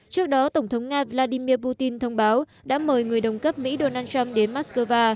trước đó tổng thống nga vladimir putin thông báo đã mời người đồng cấp mỹ donald trump đến moscow